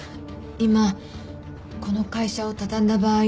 今この会社を畳んだ場合